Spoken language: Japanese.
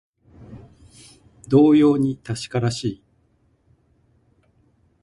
同様に確からしい